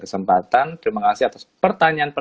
selamat siang mbak